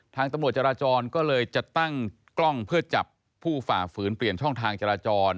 ตำรวจจราจรก็เลยจะตั้งกล้องเพื่อจับผู้ฝ่าฝืนเปลี่ยนช่องทางจราจร